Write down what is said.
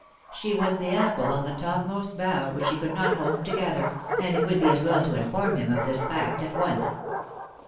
She was the apple on the topmost bough which he could not hope to gather; and it would be as well to inform him of this fact at once.